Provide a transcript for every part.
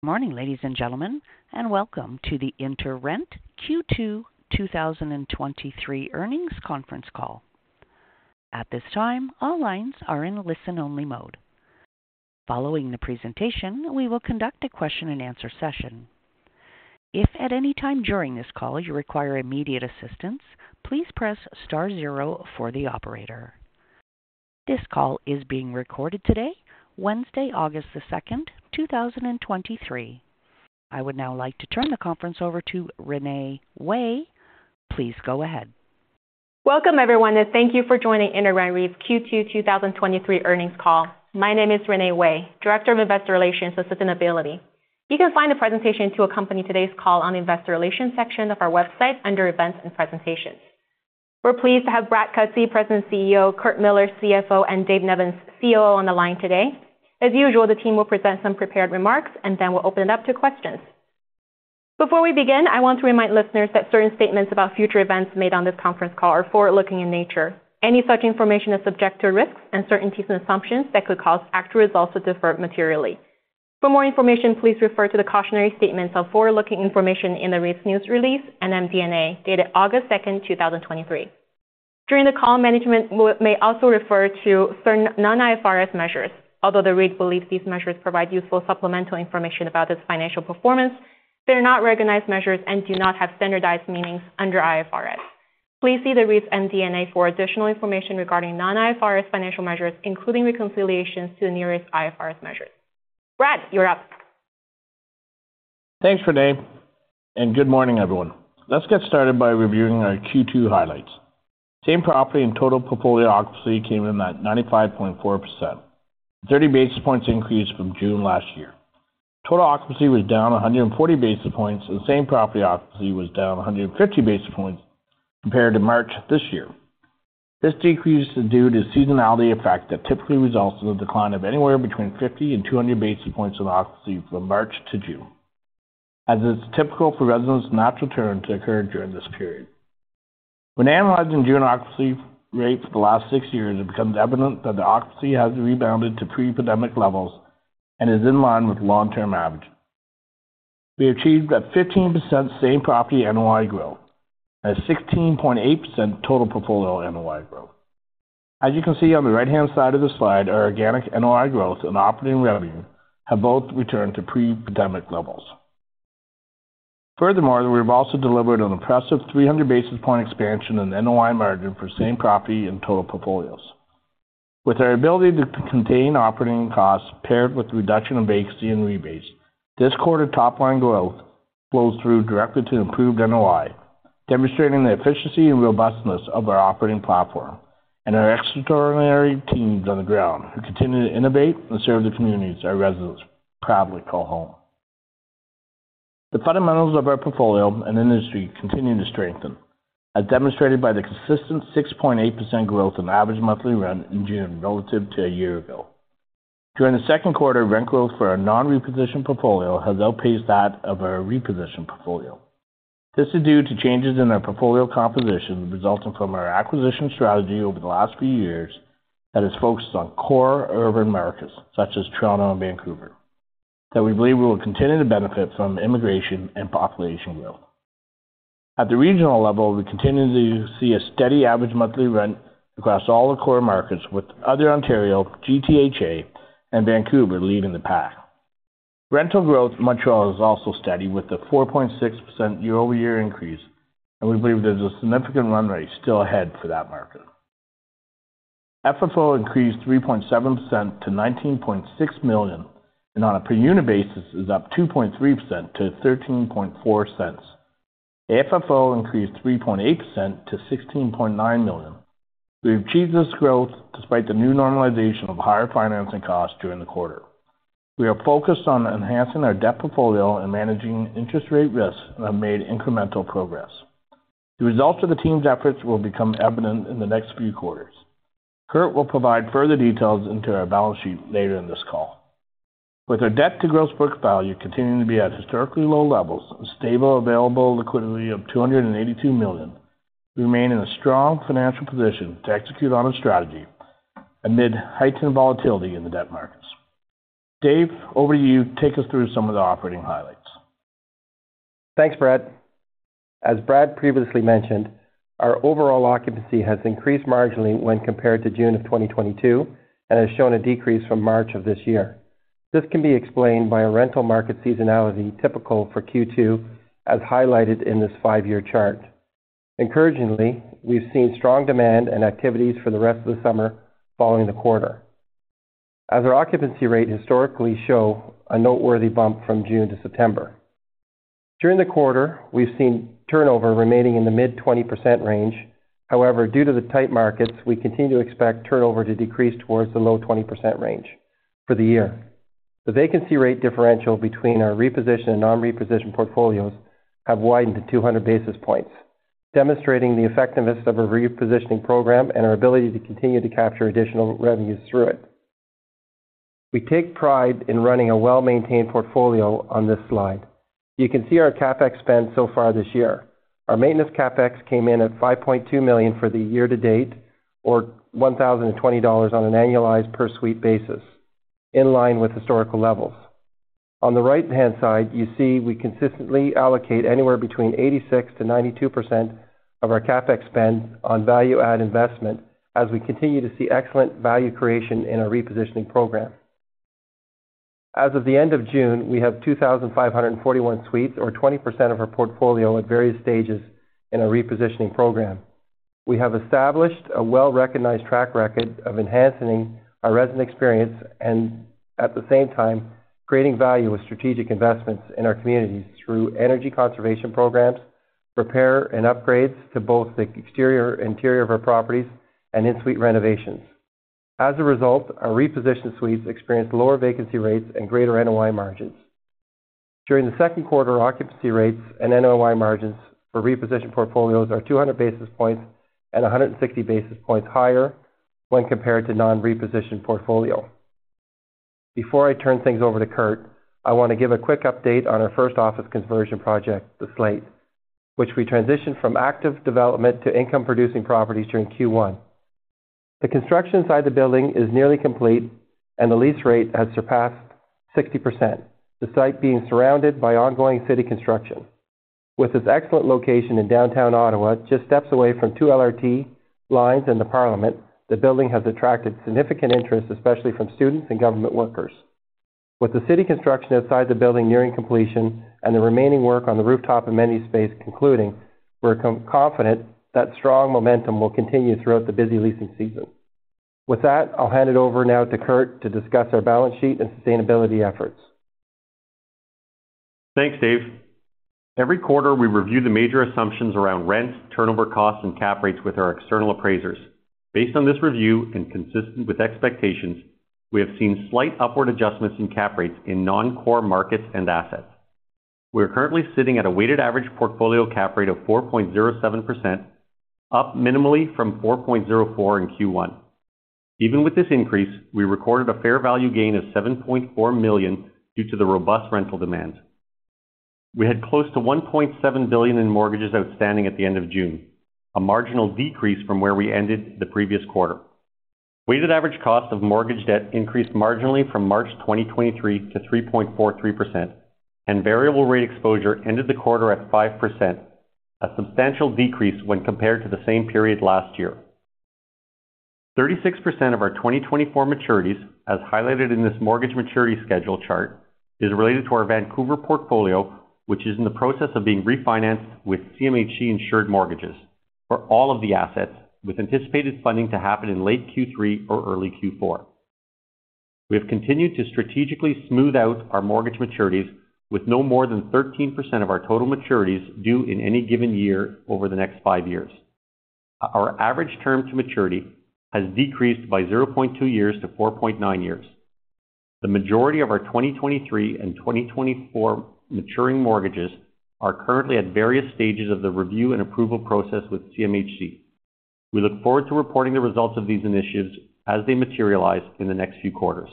Morning, ladies and gentlemen, and welcome to the InterRent Q2 2023 Earnings Conference Call. At this time, all lines are in listen-only mode. Following the presentation, we will conduct a question-and-answer session. If at any time during this call you require immediate assistance, please press star zero for the operator. This call is being recorded today, Wednesday, August the second, two thousand and twenty-three. I would now like to turn the conference over to Renee Wei. Please go ahead. Welcome, everyone, and thank you for joining InterRent REIT's Q2 2023 earnings call. My name is Renee Wei, Director of Investor Relations & Sustainability. You can find a presentation to accompany today's call on the Investor Relations section of our website under Events and Presentations. We're pleased to have Brad Cutsey, President and CEO, Curt Millar, CFO, and Dave Nevins, COO, on the line today. As usual, the team will present some prepared remarks, and then we'll open it up to questions. Before we begin, I want to remind listeners that certain statements about future events made on this conference call are forward-looking in nature. Any such information is subject to risks, uncertainties, and assumptions that could cause actual results to differ materially. For more information, please refer to the cautionary statements on forward-looking information in the recent news release and MD&A, dated August 2, 2023. During the call, management may also refer to certain non-IFRS measures. Although the REIT believes these measures provide useful supplemental information about its financial performance, they are not recognized measures and do not have standardized meanings under IFRS. Please see the REIT's MD&A for additional information regarding non-IFRS financial measures, including reconciliations to the nearest IFRS measures. Brad, you're up. Thanks, Renee, good morning, everyone. Let's get started by reviewing our Q2 highlights. Same property and total portfolio occupancy came in at 95.4%, 30 basis points increase from June last year. Total occupancy was down 140 basis points, same property occupancy was down 150 basis points compared to March this year. This decrease is due to seasonality effect that typically results in a decline of anywhere between 50 and 200 basis points of occupancy from March to June, as it's typical for residents' natural turn to occur during this period. When analyzing June occupancy rates for the last six years, it becomes evident that the occupancy has rebounded to pre-pandemic levels and is in line with long-term average. We achieved a 15% same property NOI growth, a 16.8% total portfolio NOI growth. As you can see on the right-hand side of the slide, our organic NOI growth and operating revenue have both returned to pre-pandemic levels. Furthermore, we've also delivered an impressive 300 basis point expansion in NOI margin for same property and total portfolios. With our ability to contain operating costs paired with reduction in vacancy and rebates, this quarter top-line growth flows through directly to improved NOI, demonstrating the efficiency and robustness of our operating platform and our extraordinary teams on the ground, who continue to innovate and serve the communities our residents proudly call home. The fundamentals of our portfolio and industry continue to strengthen, as demonstrated by the consistent 6.8% growth in average monthly rent in June relative to a year ago. During the second quarter, rent growth for our non-reposition portfolio has outpaced that of our reposition portfolio. This is due to changes in our portfolio composition resulting from our acquisition strategy over the last few years that is focused on core urban markets, such as Toronto and Vancouver, that we believe will continue to benefit from immigration and population growth. At the regional level, we continue to see a steady average monthly rent across all the core markets, with other Ontario, GTHA, and Vancouver leading the pack. Rental growth in Montreal is also steady, with a 4.6% year-over-year increase. We believe there's a significant run rate still ahead for that market. FFO increased 3.7% to 19.6 million, and on a per-unit basis, is up 2.3% to 0.134. AFFO increased 3.8% to 16.9 million. We achieved this growth despite the new normalization of higher financing costs during the quarter. We are focused on enhancing our debt portfolio and managing interest rate risks and have made incremental progress. The results of the team's efforts will become evident in the next few quarters. Kurt will provide further details into our balance sheet later in this call. With our Debt-to-Gross Book Value continuing to be at historically low levels and stable available liquidity of $282 million, we remain in a strong financial position to execute on our strategy amid heightened volatility in the debt markets. Dave, over to you to take us through some of the operating highlights. Thanks, Brad. As Brad previously mentioned, our overall occupancy has increased marginally when compared to June of 2022 and has shown a decrease from March of this year. This can be explained by a rental market seasonality typical for Q2, as highlighted in this five-year chart. Encouragingly, we've seen strong demand and activities for the rest of the summer following the quarter, as our occupancy rate historically show a noteworthy bump from June to September. During the quarter, we've seen turnover remaining in the mid-20% range. However, due to the tight markets, we continue to expect turnover to decrease towards the low 20% range for the year. The vacancy rate differential between our reposition and non-reposition portfolios have widened to 200 basis points, demonstrating the effectiveness of our repositioning program and our ability to continue to capture additional revenues through it. We take pride in running a well-maintained portfolio on this slide. You can see our CapEx spend so far this year. Our maintenance CapEx came in at 5.2 million for the year to date, or 1,020 dollars on an annualized per suite basis, in line with historical levels. On the right-hand side, you see we consistently allocate anywhere between 86% to 92% of our CapEx spend on value-add investment as we continue to see excellent value creation in our repositioning program. As of the end of June, we have 2,541 suites, or 20% of our portfolio, at various stages in our repositioning program. We have established a well-recognized track record of enhancing our resident experience and, at the same time, creating value with strategic investments in our communities through energy conservation programs, repair and upgrades to both the exterior and interior of our properties, and in-suite renovations. As a result, our repositioned suites experience lower vacancy rates and greater NOI margins. During the second quarter, occupancy rates and NOI margins for repositioned portfolios are 200 basis points and 160 basis points higher when compared to non-repositioned portfolio. Before I turn things over to Kurt, I want to give a quick update on our first office conversion project, The Slate, which we transitioned from active development to income-producing properties during Q1. The construction inside the building is nearly complete, and the lease rate has surpassed 60%, the site being surrounded by ongoing city construction. With its excellent location in downtown Ottawa, just steps away from 2 LRT lines in the Parliament, the building has attracted significant interest, especially from students and government workers. With the city construction outside the building nearing completion and the remaining work on the rooftop amenity space concluding, we're confident that strong momentum will continue throughout the busy leasing season. With that, I'll hand it over now to Curt to discuss our balance sheet and sustainability efforts. Thanks, Dave. Every quarter, we review the major assumptions around rents, turnover costs, and cap rates with our external appraisers. Based on this review, and consistent with expectations, we have seen slight upward adjustments in cap rates in non-core markets and assets. We are currently sitting at a weighted average portfolio cap rate of 4.07%, up minimally from 4.04% in Q1. Even with this increase, we recorded a fair value gain of $7.4 million due to the robust rental demand. We had close to $1.7 billion in mortgages outstanding at the end of June, a marginal decrease from where we ended the previous quarter. Weighted average cost of mortgage debt increased marginally from March 2023 to 3.43%, and variable rate exposure ended the quarter at 5%, a substantial decrease when compared to the same period last year. 36% of our 2024 maturities, as highlighted in this mortgage maturity schedule chart, is related to our Vancouver portfolio, which is in the process of being refinanced with CMHC-insured mortgages for all of the assets, with anticipated funding to happen in late Q3 or early Q4. We have continued to strategically smooth out our mortgage maturities with no more than 13% of our total maturities due in any given year over the next 5 years. Our average term to maturity has decreased by 0.2 years to 4.9 years. The majority of our 2023 and 2024 maturing mortgages are currently at various stages of the review and approval process with CMHC. We look forward to reporting the results of these initiatives as they materialize in the next few quarters.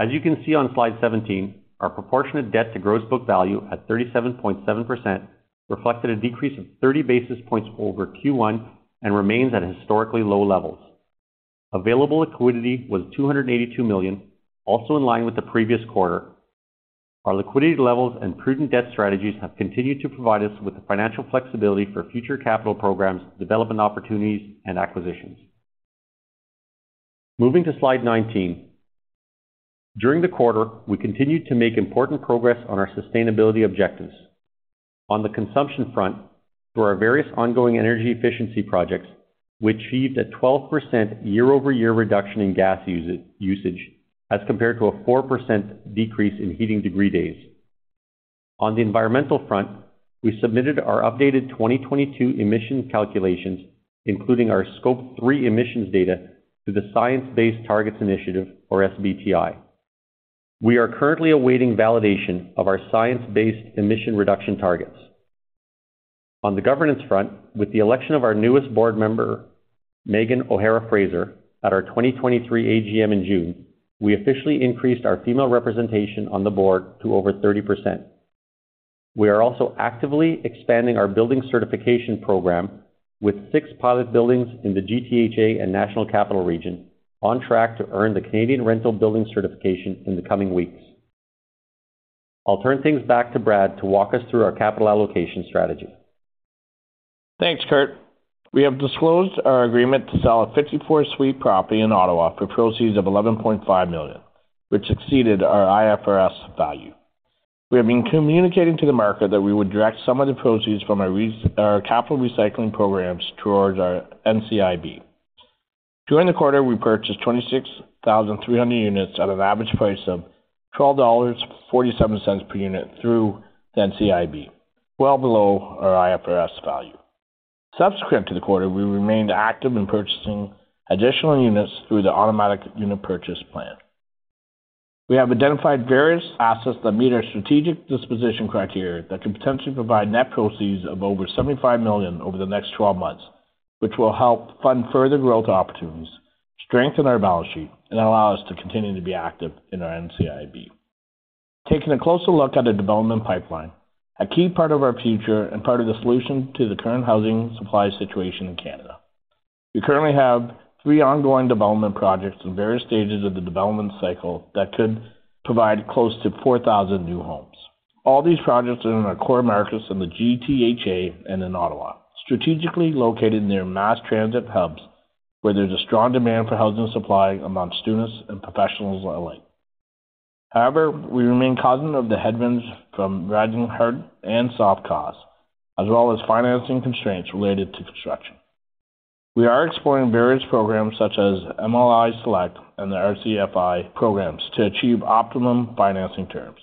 As you can see on Slide 17, our Proportionate Debt to Gross Book Value at 37.7%, reflected a decrease of 30 basis points over Q1 and remains at historically low levels. Available liquidity was $282 million, also in line with the previous quarter. Our liquidity levels and prudent debt strategies have continued to provide us with the financial flexibility for future capital programs, development opportunities, and acquisitions. Moving to Slide 19. During the quarter, we continued to make important progress on our Sustainability objectives. On the consumption front, through our various ongoing energy efficiency projects, we achieved a 12% year-over-year reduction in gas usage, as compared to a 4% decrease in heating degree days. On the environmental front, we submitted our updated 2022 emission calculations, including our Scope 3 emissions data, to the Science Based Targets initiative, or SBTI. We are currently awaiting validation of our science-based emission reduction targets. On the governance front, with the election of our newest board member, Meghann O'Hara-Fraser, at our 2023 AGM in June, we officially increased our female representation on the board to over 30%. We are also actively expanding our building certification program with six pilot buildings in the GTHA and National Capital Region on track to earn the Canadian Rental Building Certification in the coming weeks. I'll turn things back to Brad to walk us through our capital allocation strategy. Thanks, Curt. We have disclosed our agreement to sell a 54-suite property in Ottawa for proceeds of $11.5 million, which exceeded our IFRS value. We have been communicating to the market that we would direct some of the proceeds from our capital recycling programs towards our NCIB. During the quarter, we purchased 26,300 units at an average price of $12.47 per unit through the NCIB, well below our IFRS value. Subsequent to the quarter, we remained active in purchasing additional units through the automatic unit purchase plan. We have identified various assets that meet our strategic disposition criteria that could potentially provide net proceeds of over $75 million over the next 12 months, which will help fund further growth opportunities.... strengthen our balance sheet, and allow us to continue to be active in our NCIB. Taking a closer look at the development pipeline, a key part of our future and part of the solution to the current housing supply situation in Canada. We currently have three ongoing development projects in various stages of the development cycle that could provide close to 4,000 new homes. All these projects are in our core markets in the GTHA and in Ottawa, strategically located near mass transit hubs, where there's a strong demand for housing supply among students and professionals alike. However, we remain cognizant of the headwinds from rising hard and soft costs, as well as financing constraints related to construction. We are exploring various programs such as MLI Select and the RCFI programs to achieve optimum financing terms.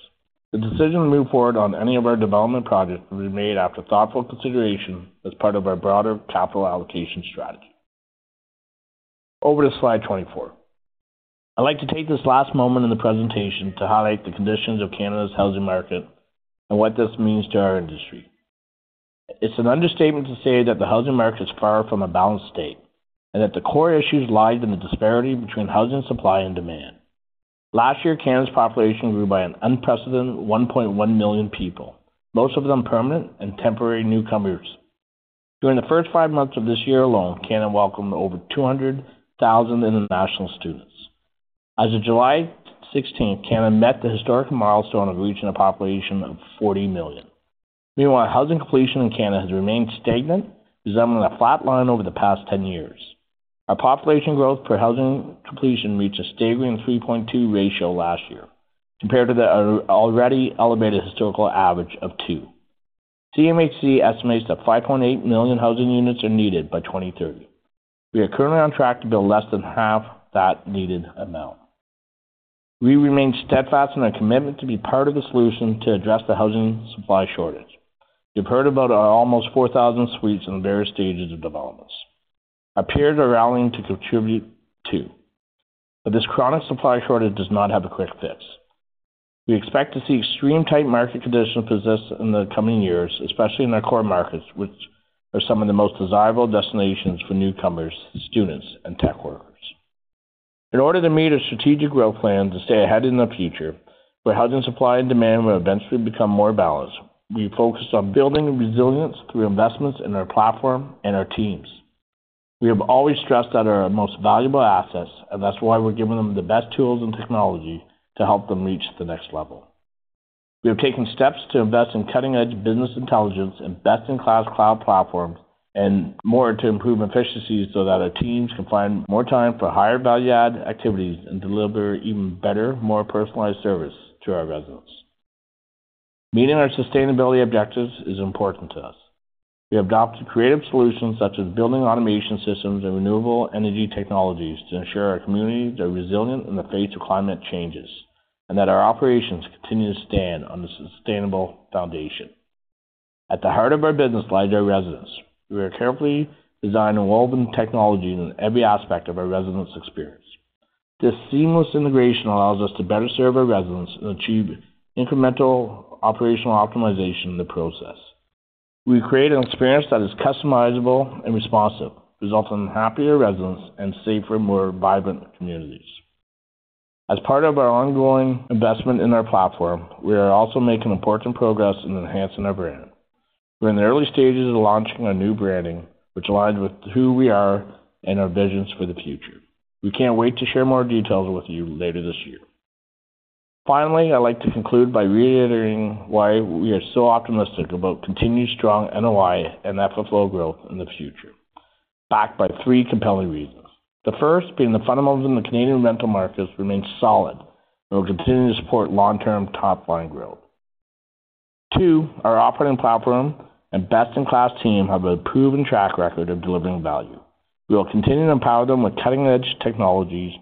The decision to move forward on any of our development projects will be made after thoughtful consideration as part of our broader capital allocation strategy. Over to Slide 24. I'd like to take this last moment in the presentation to highlight the conditions of Canada's housing market and what this means to our industry. It's an understatement to say that the housing market is far from a balanced state, and that the core issues lie in the disparity between housing supply and demand. Last year, Canada's population grew by an unprecedented 1.1 million people, most of them permanent and temporary newcomers. During the first five months of this year alone, Canada welcomed over 200,000 international students. As of July 16th, Canada met the historic milestone of reaching a population of 40 million. Meanwhile, housing completion in Canada has remained stagnant, resembling a flat line over the past 10 years. Our population growth per housing completion reached a staggering 3.2 ratio last year, compared to the already elevated historical average of 2. CMHC estimates that 5.8 million housing units are needed by 2030. We are currently on track to build less than half that needed amount. We remain steadfast in our commitment to be part of the solution to address the housing supply shortage. You've heard about our almost 4,000 suites in various stages of developments. Our peers are rallying to contribute, too, this chronic supply shortage does not have a quick fix. We expect to see extreme tight market conditions persist in the coming years, especially in our core markets, which are some of the most desirable destinations for newcomers, students, and tech workers. In order to meet our strategic growth plan to stay ahead in the future, where housing supply and demand will eventually become more balanced, we focused on building resilience through investments in our platform and our teams. We have always stressed that are our most valuable assets. That's why we're giving them the best tools and technology to help them reach the next level. We have taken steps to invest in cutting-edge business intelligence and best-in-class cloud platforms and more to improve efficiencies so that our teams can find more time for higher value-add activities and deliver even better, more personalized service to our residents. Meeting our sustainability objectives is important to us. We have adopted creative solutions such as building automation systems and renewable energy technologies to ensure our communities are resilient in the face of climate changes, and that our operations continue to stand on a sustainable foundation. At the heart of our business lies our residents. We are carefully designing and welcoming technology in every aspect of our residents' experience. This seamless integration allows us to better serve our residents and achieve incremental operational optimization in the process. We create an experience that is customizable and responsive, resulting in happier residents and safer, more vibrant communities. As part of our ongoing investment in our platform, we are also making important progress in enhancing our brand. We're in the early stages of launching our new branding, which aligns with who we are and our visions for the future. We can't wait to share more details with you later this year. Finally, I'd like to conclude by reiterating why we are so optimistic about continued strong NOI and FFO growth in the future, backed by three compelling reasons. The first being the fundamentals in the Canadian rental markets remain solid and will continue to support long-term top-line growth. 2, our operating platform and best-in-class team have a proven track record of delivering value. We will continue to empower them with cutting-edge technologies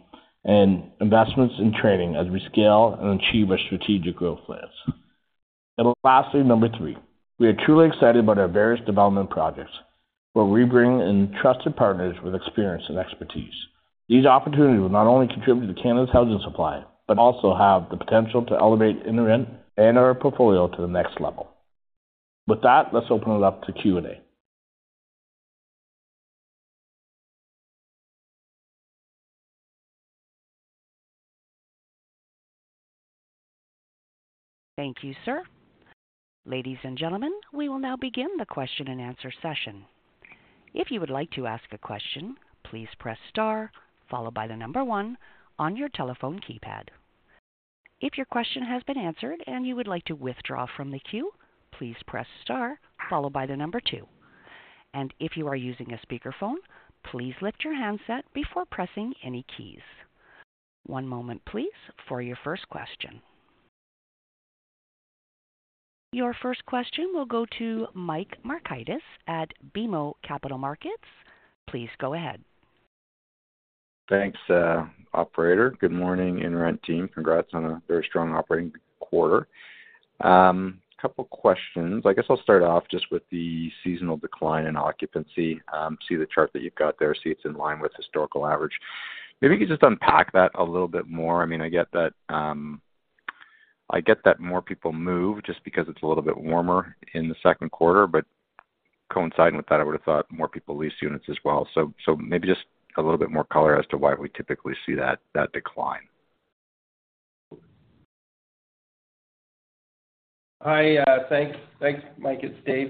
and investments in training as we scale and achieve our strategic growth plans. Lastly, 3, we are truly excited about our various development projects, where we bring in trusted partners with experience and expertise. These opportunities will not only contribute to Canada's housing supply, but also have the potential to elevate InterRent and our portfolio to the next level. With that, let's open it up to Q&A. Thank you, sir. Ladies and gentlemen, we will now begin the question-and-answer session. If you would like to ask a question, please press star followed by 1 on your telephone keypad. If your question has been answered and you would like to withdraw from the queue, please press star followed by 2. If you are using a speakerphone, please lift your handset before pressing any keys. One moment please, for your first question. Your first question will go to Michael Markidis at BMO Capital Markets. Please go ahead. Thanks, operator. Good morning, InterRent team. Congrats on a very strong operating quarter. A couple questions. I guess I'll start off just with the seasonal decline in occupancy. See the chart that you've got there, see it's in line with historical average. Maybe you could just unpack that a little bit more. I mean, I get that... I get that more people move just because it's a little bit warmer in the second quarter, but coinciding with that, I would have thought more people lease units as well. So maybe just a little bit more color as to why we typically see that, that decline. Hi, thanks. Thanks, Mike. It's Dave.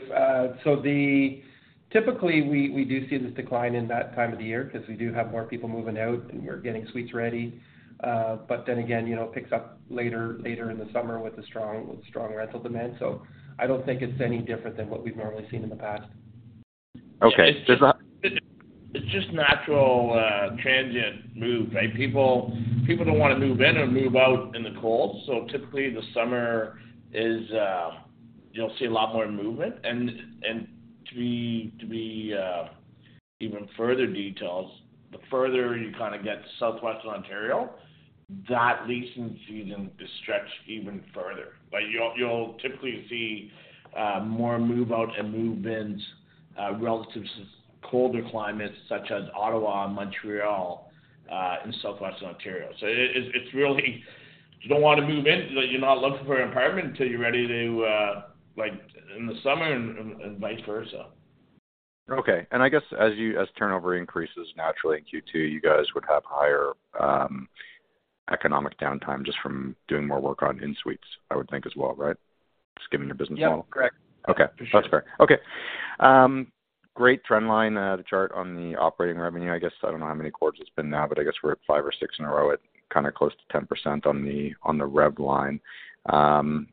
Typically, we, we do see this decline in that time of the year because we do have more people moving out, and we're getting suites ready. Again, you know, it picks up later, later in the summer with the strong, with strong rental demand. I don't think it's any different than what we've normally seen in the past. Okay. It's, it's just natural, transient move, right? People, people don't want to move in or move out in the cold. Typically, the summer is, you'll see a lot more movement. To be, to be, even further details, the further you kind of get to Southwestern Ontario, that leasing season is stretched even further. You'll, you'll typically see, more move-out and move-ins, relative to colder climates such as Ottawa and Montreal, and Southwestern Ontario. It, it's, it's really, you don't want to move in, you're not looking for an apartment until you're ready to, like, in the summer and, and vice versa. Okay. I guess as turnover increases naturally in Q2, you guys would have higher economic downtime just from doing more work on in suites, I would think as well, right? Just given your business model. Yep, correct. Okay. For sure. That's fair. Okay. Great trend line, the chart on the operating revenue. I guess, I don't know how many quarters it's been now, but I guess we're at 5 or 6 in a row at kind of close to 10% on the, on the rev line.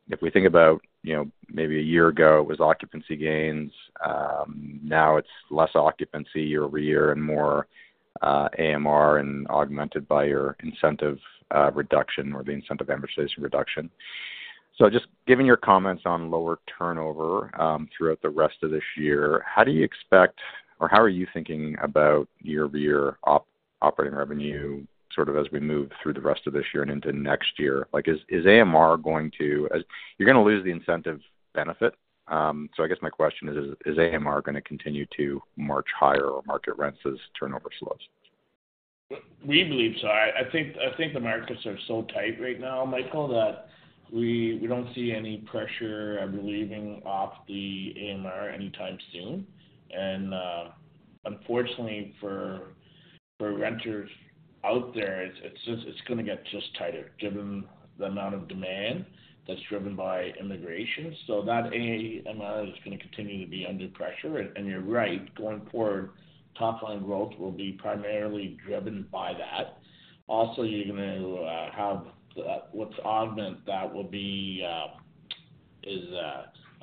If we think about, you know, maybe 1 year ago, it was occupancy gains, now it's less occupancy year-over-year and more, AMR and augmented by your incentive, reduction or the incentive amortization reduction. Just given your comments on lower turnover, throughout the rest of 2023, how do you expect or how are you thinking about year-over-year operating revenue, sort of as we move through the rest of 2023 and into 2024? Like, as you're going to lose the incentive benefit, I guess my question is: Is AMR going to continue to march higher or market rents as turnover slows? We believe so. I think the markets are so tight right now, Michael, that we don't see any pressure relieving off the AMR anytime soon. Unfortunately, for renters out there, it's going to get just tighter given the amount of demand that's driven by immigration. That AMR is going to continue to be under pressure. You're right, going forward, top-line growth will be primarily driven by that. Also, you're going to have what's augment that will be is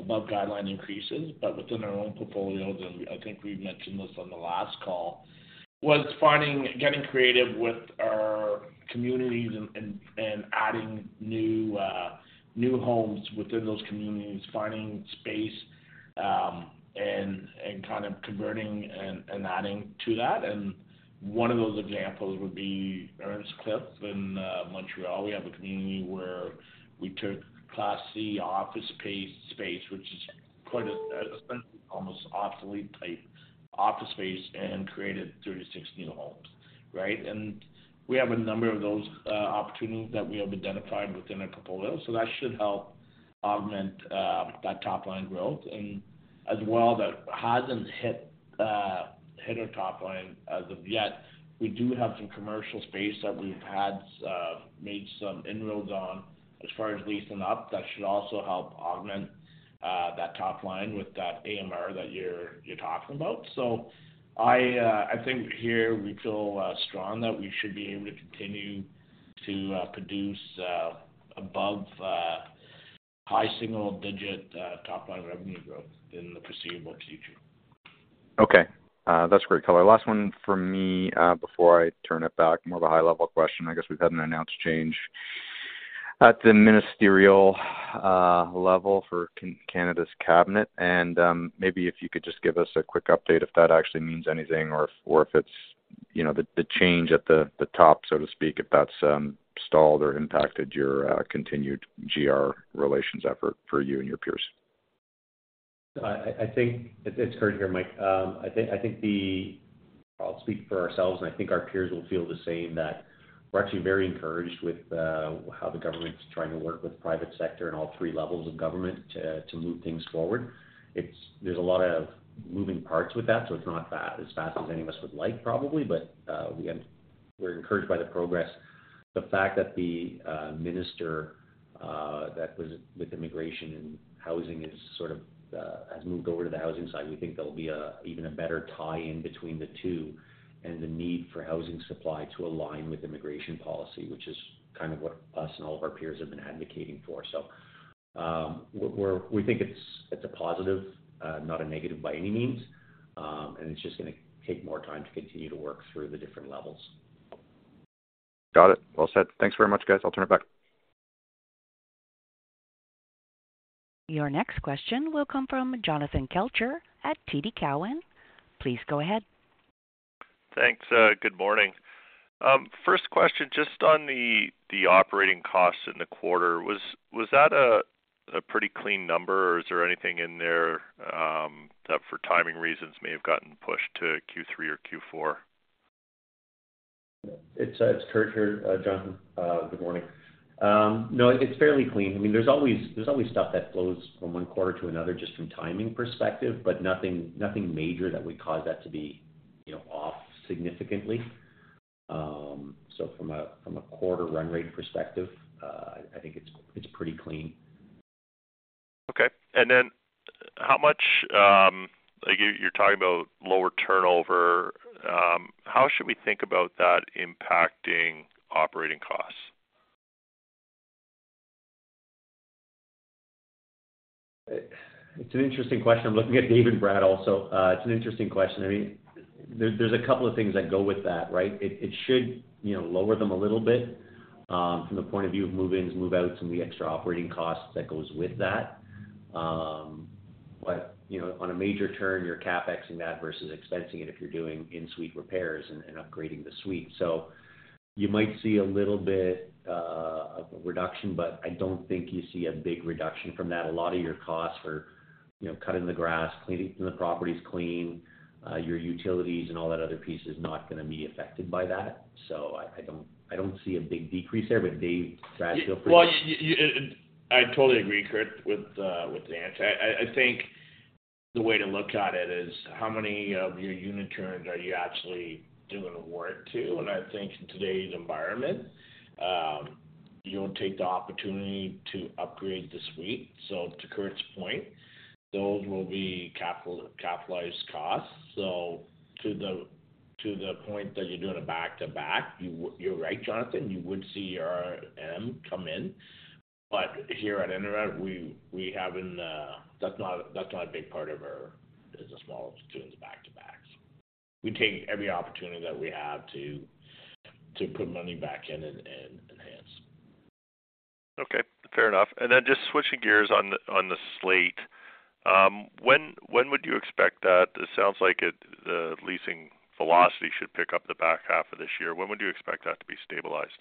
above guideline increases, but within our own portfolios, and I think we've mentioned this on the last call, was getting creative with our communities and adding new homes within those communities, finding space, and kind of converting and adding to that. One of those examples would be Ernst Cliff in Montreal. We have a community where we took Class C office space, which is quite almost obsolete-type office space, and created thirty-six new homes, right? We have a number of those opportunities that we have identified within our portfolio, so that should help augment that top-line growth. As well, that hasn't hit our top line as of yet. We do have some commercial space that we've had made some inroads on as far as leasing up. That should also help augment that top line with that AMR that you're, you're talking about. I think here we feel strong that we should be able to continue to produce above high single-digit top-line revenue growth in the foreseeable future. Okay, that's great color. Last one from me, before I turn it back. More of a high-level question. I guess we've had an announced change at the ministerial level for Canada's cabinet, and maybe if you could just give us a quick update, if that actually means anything, or if, or if it's, you know, the change at the top, so to speak, if that's stalled or impacted your continued GR relations effort for you and your peers? I think it's hard to hear, Mike. I think, I think the... I'll speak for ourselves, and I think our peers will feel the same, that we're actually very encouraged with how the government's trying to work with private sector and all three levels of government to move things forward. There's a lot of moving parts with that, so it's not as fast as any of us would like, probably, but we're encouraged by the progress. The fact that the minister that was with immigration and housing is sort of has moved over to the housing side, we think there will be a even a better tie-in between the two and the need for housing supply to align with immigration policy, which is kind of what us and all of our peers have been advocating for. We're, we think it's, it's a positive, not a negative by any means, and it's just going to take more time to continue to work through the different levels. Got it. Well said. Thanks very much, guys. I'll turn it back. Your next question will come from Jonathan Kelcher at TD Cowen. Please go ahead. Thanks. Good morning. First question, just on the operating costs in the quarter. Was that a pretty clean number, or is there anything in there that for timing reasons, may have gotten pushed to Q3 or Q4? It's, it's Curt here, John. Good morning. No, it's fairly clean. I mean, there's always, there's always stuff that flows from 1 quarter to another, just from timing perspective, but nothing, nothing major that would cause that to be, you know, off significantly. So from a, from a quarter run rate perspective, I think it's, it's pretty clean. Okay. How much-- like, you, you're talking about lower turnover. How should we think about that impacting operating costs? It's an interesting question. I'm looking at Dave and Brad also. It's an interesting question. I mean, there's a couple of things that go with that, right? It should, you know, lower them a little bit from the point of view of move-ins, move-outs, and the extra operating costs that goes with that. You know, on a major turn, you're CapExing that versus expensing it if you're doing in-suite repairs and upgrading the suite. You might see a little bit of a reduction, but I don't think you see a big reduction from that. A lot of your costs for, you know, cutting the grass, cleaning, keeping the properties clean, your utilities and all that other piece is not gonna be affected by that. I, I don't, I don't see a big decrease there, but Dave, Brad, feel free- Yeah, I totally agree, Curt, with, with the answer. I, I think the way to look at it is, how many of your unit turns are you actually doing the work to? I think in today's environment, you'll take the opportunity to upgrade the suite. To Curt's point, those will be capitalized costs. To the, to the point that you're doing a back-to-back, you're right, Jonathan, you would see your AMR come in. Here at InterRent, we, we haven't. That's not, that's not a big part of our business model, to doing the back-to-backs. We take every opportunity that we have to, to put money back in and, and enhance. Okay, fair enough. Just switching gears on the, on The Slate, when, when would you expect that? It sounds like it, the leasing velocity should pick up the back half of this year. When would you expect that to be stabilized?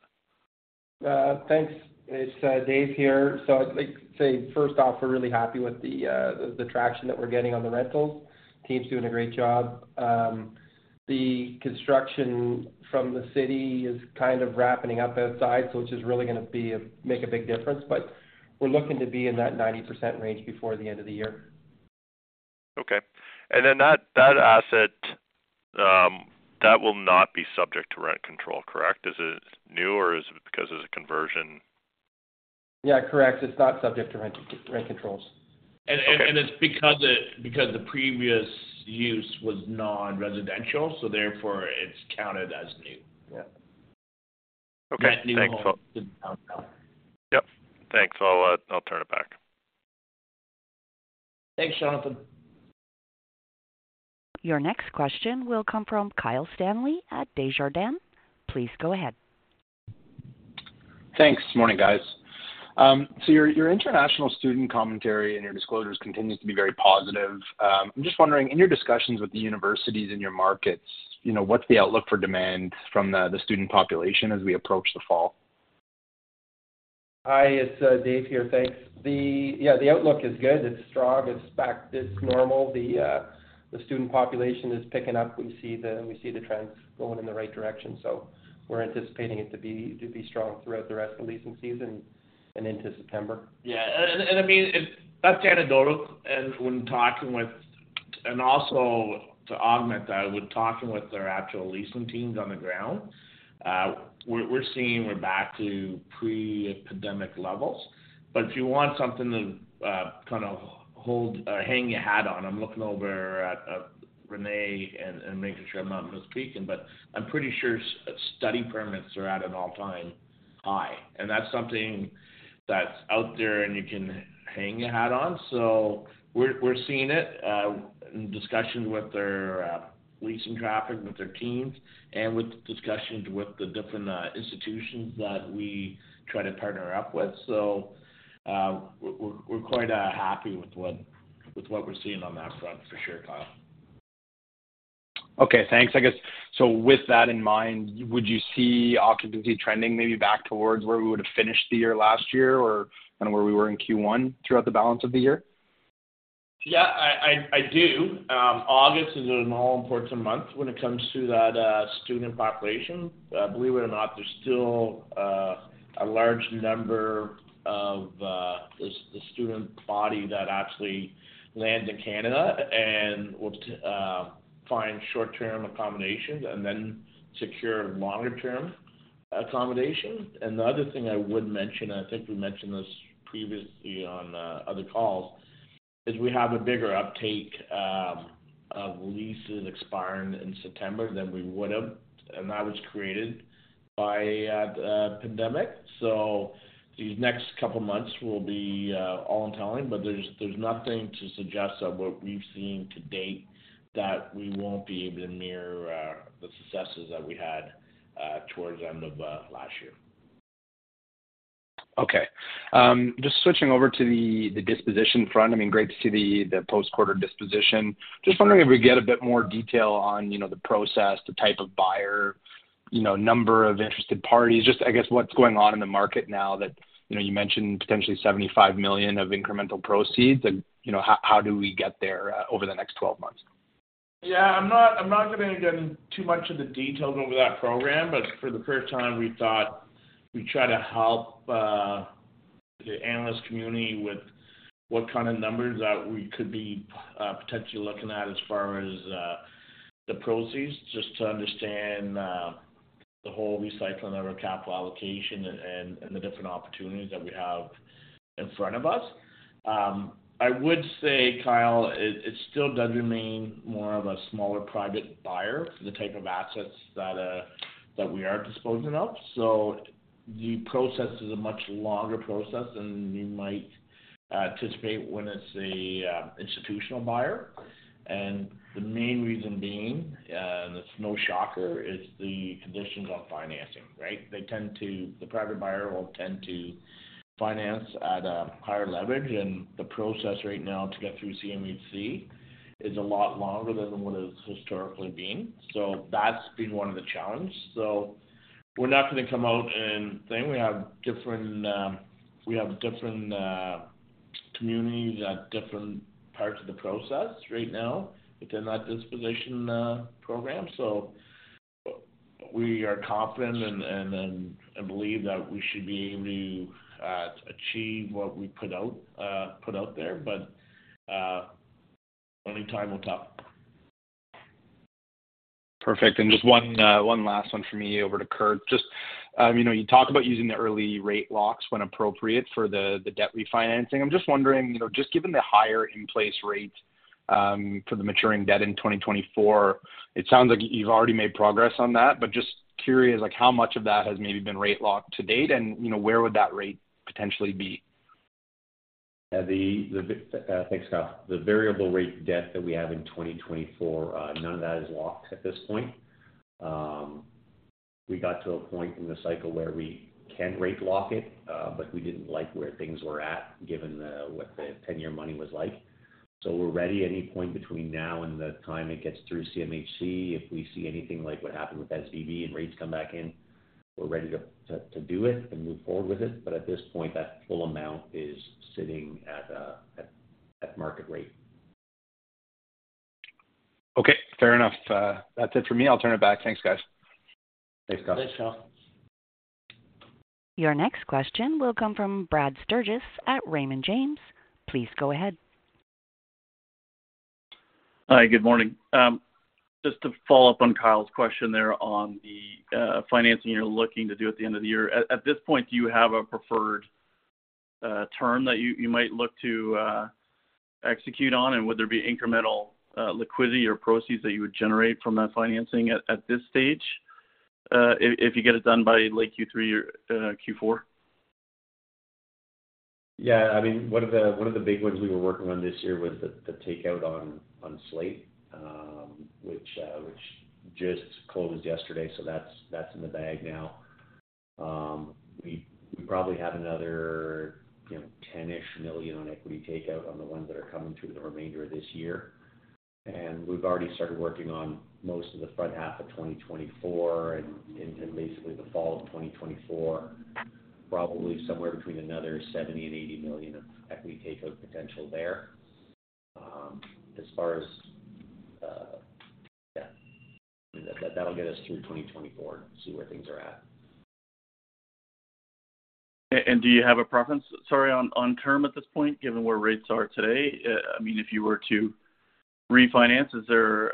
Thanks. It's Dave here. I'd like to say, first off, we're really happy with the traction that we're getting on the rentals. Team's doing a great job. The construction from the city is kind of wrapping up outside, which is really going to make a big difference, but we're looking to be in that 90% range before the end of the year. Okay. Then that, that asset, that will not be subject to rent control, correct? Is it new or is it because it's a conversion? Yeah, correct. It's not subject to rent, rent controls. Okay. It's because the previous use was non-residential, so therefore, it's counted as new. Yeah. Okay, thanks- That new- Yep. Thanks. I'll, I'll turn it back. Thanks, Jonathan. Your next question will come from Kyle Stanley at Desjardins. Please go ahead. Thanks. Morning, guys. Your, your international student commentary and your disclosures continue to be very positive. I'm just wondering, in your discussions with the universities in your markets, you know, what's the outlook for demand from the, the student population as we approach the fall? Hi, it's Dave here. Thanks. Yeah, the outlook is good. It's strong, it's back, it's normal. The student population is picking up. We see the, we see the trends going in the right direction, so we're anticipating it to be, to be strong throughout the rest of the leasing season and into September. Yeah, and, and, I mean, that's anecdotally, and when talking with. Also to augment that, with talking with their actual leasing teams on the ground, we're seeing we're back to pre-pandemic levels. If you want something to, kind of hold, hang your hat on, I'm looking over at Renee and making sure I'm not misspeaking, but I'm pretty sure study permits are at an all-time high, and that's something that's out there, and you can hang your hat on. We're seeing it, in discussions with their leasing traffic, with their teams and with discussions with the different institutions that we try to partner up with. We're quite happy with what with what we're seeing on that front, for sure, Kyle. Okay, thanks. I guess, so with that in mind, would you see occupancy trending maybe back towards where we would have finished the year last year, or kind of where we were in Q1 throughout the balance of the year? Yeah, I do. August is an all-important month when it comes to that student population. Believe it or not, there's still a large number of the student body that actually land in Canada and will find short-term accommodations and then secure longer-term accommodations. The other thing I would mention, I think we mentioned this previously on other calls, is we have a bigger uptake of leases expiring in September than we would have, and that was created by the pandemic. These next couple of months will be all in telling, but there's, there's nothing to suggest that what we've seen to date, that we won't be able to mirror the successes that we had towards the end of last year. Okay. Just switching over to the, the disposition front, I mean, great to see the, the post-quarter disposition. Just wondering if we get a bit more detail on, you know, the process, the type of buyer, you know, number of interested parties. Just, I guess, what's going on in the market now that, you know, you mentioned potentially $75 million of incremental proceeds, and, you know, how, how do we get there over the next 12 months? Yeah, I'm not, I'm not going to get into too much of the details over that program. For the first time, we thought we'd try to help the analyst community with what kind of numbers that we could be potentially looking at as far as the proceeds, just to understand the whole recycling of our capital allocation and the different opportunities that we have in front of us. I would say, Kyle, it still does remain more of a smaller private buyer, the type of assets that we are disposing of. The process is a much longer process than you might anticipate when it's a institutional buyer. The main reason being, and it's no shocker, is the conditions on financing, right? The private buyer will tend to finance at a higher leverage, and the process right now to get through CMHC is a lot longer than what it's historically been. That's been one of the challenges. We're not going to come out and say, we have different, we have different communities at different parts of the process right now within that disposition program. We are confident and believe that we should be able to achieve what we put out, put out there. Only time will tell. Perfect. Just one, one last one for me, over to Curt. Just, you know, you talk about using the early rate locks when appropriate for the, the debt refinancing. I'm just wondering, you know, just given the higher in-place rates, for the maturing debt in 2024, it sounds like you've already made progress on that. Just curious, like, how much of that has maybe been rate locked to date? You know, where would that rate potentially be? Yeah, the, the, thanks, Kyle. The variable rate debt that we have in 2024, none of that is locked at this point. We got to a point in the cycle where we can rate lock it, but we didn't like where things were at, given the, what the 10-year money was like. We're ready at any point between now and the time it gets through CMHC. If we see anything like what happened with SVB and rates come back in, we're ready to, to, to do it and move forward with it. At this point, that full amount is sitting at a, at, at market rate. Okay, fair enough. That's it for me. I'll turn it back. Thanks, guys. Thanks, Kyle. Thanks, Kyle. Your next question will come from Brad Sturges at Raymond James. Please go ahead. Hi, good morning. Just to follow up on Kyle's question there on the financing you're looking to do at the end of the year. At this point, do you have a preferred term that you might look to execute on? Would there be incremental liquidity or proceeds that you would generate from that financing at this stage, if you get it done by late Q3 or Q4? Yeah, I mean, one of the, one of the big ones we were working on this year was the, the takeout on, on Slate, which just closed yesterday, so that's in the bag now. We probably have another, you know, $10 million on equity takeout on the ones that are coming through the remainder of this year. We've already started working on most of the front half of 2024 and into basically the fall of 2024, probably somewhere between another $70 million and $80 million of equity takeout potential there. As far as, yeah, that'll get us through 2024, see where things are at. Do you have a preference, sorry, on, on term at this point, given where rates are today? I mean, if you were to refinance, is there,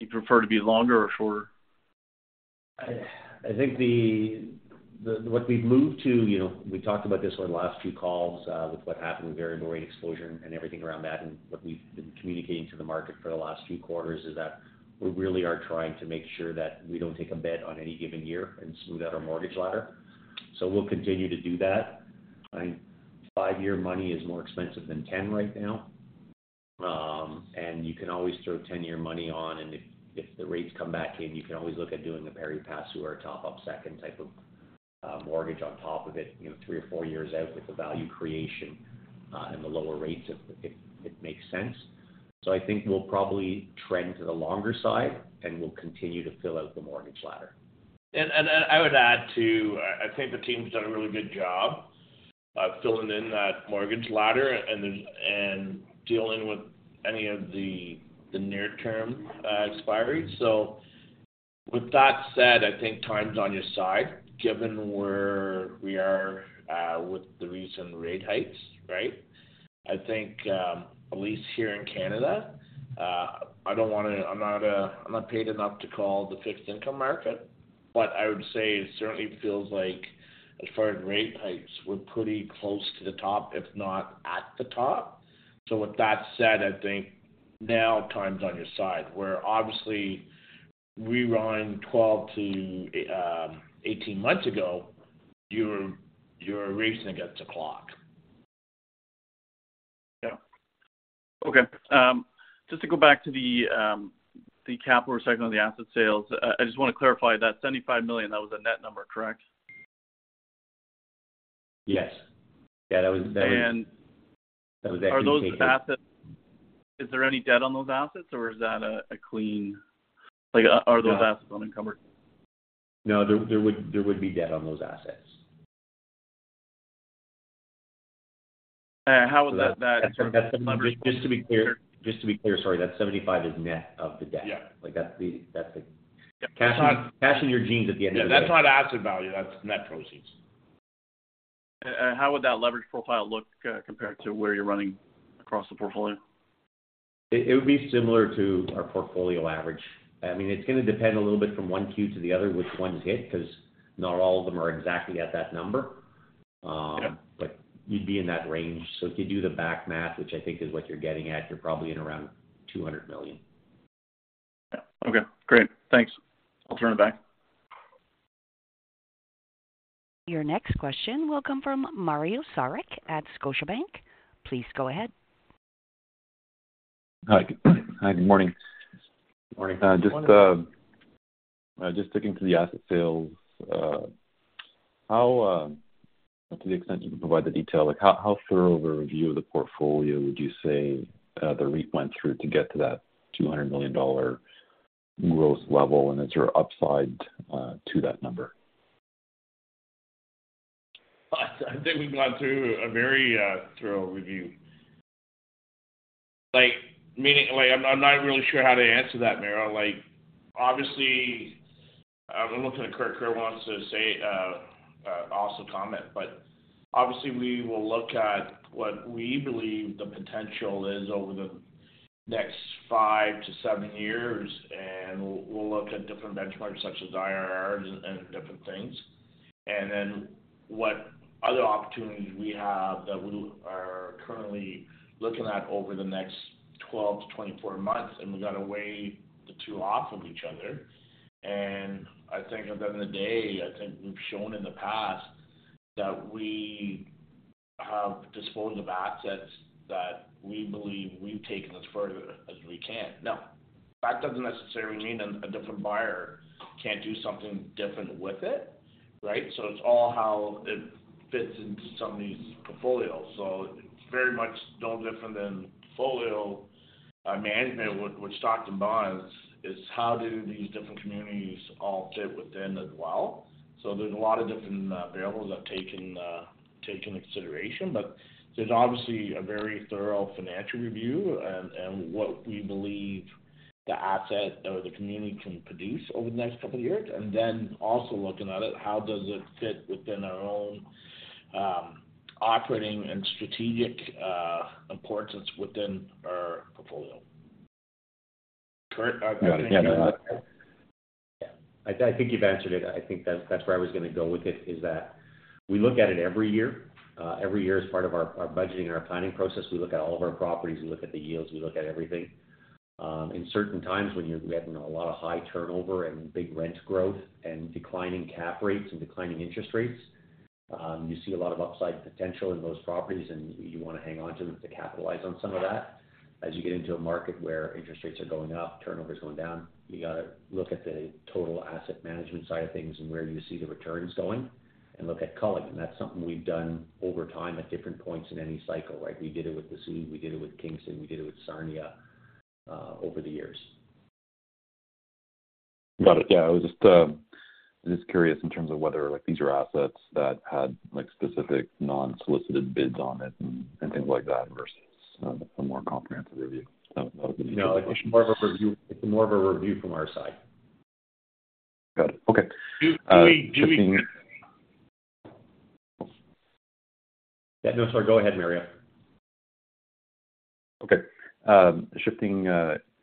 you'd prefer to be longer or shorter? I think what we've moved to, you know, we talked about this on our last few calls, with what happened with variable rate exposure and everything around that, and what we've been communicating to the market for the last few quarters, is that we really are trying to make sure that we don't take a bet on any given year and smooth out our mortgage ladder. We'll continue to do that. I think five-year money is more expensive than 10 right now. You can always throw 10-year money on, and if the rates come back in, you can always look at doing the pari-passu or top-up second type of mortgage on top of it, you know, three or four years out with the value creation and the lower rates if it makes sense. I think we'll probably trend to the longer side, and we'll continue to fill out the mortgage ladder. I would add, too, I think the team's done a really good job of filling in that mortgage ladder and dealing with any of the near-term expiry. With that said, I think time's on your side, given where we are with the recent rate hikes, right? I think, at least here in Canada, I don't want to... I'm not, I'm not paid enough to call the fixed income market, but I would say it certainly feels like as far as rate hikes, we're pretty close to the top, if not at the top. With that said, I think now time's on your side, where obviously rewinding 12 to 18 months ago, you're, you're racing against the clock. Yeah. Okay, just to go back to the, the capital recycling on the asset sales. I just want to clarify that 75 million, that was a net number, correct? Yes. Yeah, that was, that was- And- That was actually- Is there any debt on those assets, or is that a clean? Like, are those assets unencumbered? No, there, there would, there would be debt on those assets. How would that leverage... Just to be clear, just to be clear, sorry, that 75 is net of the debt? Yeah. Like, that's the, that's the- Yeah. Cash in, cash in your jeans at the end of the day. Yeah, that's not asset value, that's net proceeds. And how would that leverage profile look compared to where you're running across the portfolio? It would be similar to our portfolio average. I mean, it's going to depend a little bit from 1 Q to the other, which ones hit, 'cause not all of them are exactly at that number. Yeah. You'd be in that range. If you do the back math, which I think is what you're getting at, you're probably at around $200 million. Yeah. Okay, great. Thanks. I'll turn it back. Your next question will come from Mario Saric at Scotiabank. Please go ahead. Hi. good morning. Morning. Morning. Just, just sticking to the asset sales, how, to the extent you can provide the detail, like, how, how thorough of a review of the portfolio would you say, the REIT went through to get to that $200 million growth level, and is there upside to that number? I think we've gone through a very thorough review. Like, meaning, like, I'm, I'm not really sure how to answer that, Mario. Like, obviously, I'm looking at Curt. Curt wants to say, also comment, but obviously, we will look at what we believe the potential is over the next 5 to 7 years, and we'll, we'll look at different benchmarks, such as IRRs and different things. Then, what other opportunities we have that we are currently looking at over the next 12 to 24 months, and we've got to weigh the 2 off of each other. I think at the end of the day, I think we've shown in the past that we have disposed of assets that we believe we've taken as further as we can. That doesn't necessarily mean a different buyer can't do something different with it, right? It's all how it fits into somebody's portfolio. It's very much no different than portfolio management with, with stocks and bonds, is how do these different communities all fit within as well. There's a lot of different variables that take in, take in consideration, but there's obviously a very thorough financial review in, in what we believe the asset or the community can produce over the next couple of years. Also looking at it, how does it fit within our own operating and strategic importance within our portfolio? Curt, anything you want to add? Yeah. I, I think you've answered it. I think that's, that's where I was going to go with it, is that we look at it every year. Every year as part of our, our budgeting and our planning process, we look at all of our properties, we look at the yields, we look at everything. In certain times when you're having a lot of high turnover and big rent growth and declining cap rates and declining interest rates, you see a lot of upside potential in those properties, and you want to hang on to them to capitalize on some of that. As you get into a market where interest rates are going up, turnover is going down, you got to look at the total asset management side of things and where you see the returns going, and look at culling. That's something we've done over time at different points in any cycle. Like, we did it with The Slate, we did it with Kingston, we did it with Sarnia, over the years. Got it. Yeah, I was just, just curious in terms of whether, like, these are assets that had, like, specific non-solicited bids on it and things like that, versus, a more comprehensive review. That was the question. No, it's more of a review, it's more of a review from our side. Got it. Okay. Do we? Yeah, no, sorry. Go ahead, Mario. Okay. Shifting